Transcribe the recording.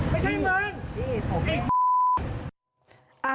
ไม่ใช่เงินไอ้